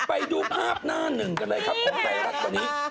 ไปดูภาพหน้าหนึ่งกันเลยครับของไทยรัฐตอนนี้